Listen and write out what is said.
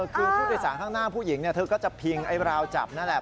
คือผู้โดยสารข้างหน้าผู้หญิงเธอก็จะพิงไอ้ราวจับนั่นแหละ